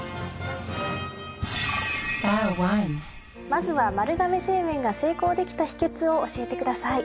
まずは丸亀製麺が成功できた秘訣を教えてください。